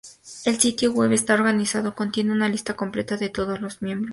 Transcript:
El sitio web de esta organización contiene una lista completa de todos los miembros.